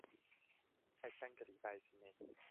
在三個禮拜之內